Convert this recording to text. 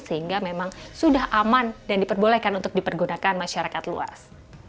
sehingga memang sudah aman dan diperbolehkan untuk dipergunakan masyarakat luas